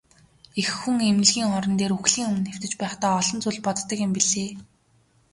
Эх хүн эмнэлгийн орон дээр үхлийн өмнө хэвтэж байхдаа олон зүйл боддог юм билээ.